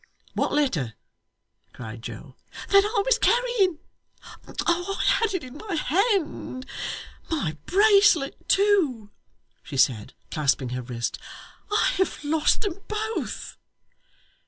'What letter?' cried Joe. 'That I was carrying I had it in my hand. My bracelet too,' she said, clasping her wrist. 'I have lost them both.